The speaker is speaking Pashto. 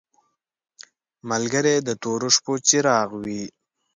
ملګری د تورو شپو څراغ وي.